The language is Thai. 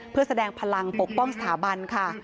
เพื่อแสดงพลังปกป้องสถาบันค่ะ